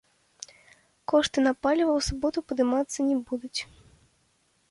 Кошты на паліва ў суботу падымацца не будуць.